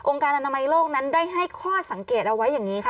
การอนามัยโลกนั้นได้ให้ข้อสังเกตเอาไว้อย่างนี้ค่ะ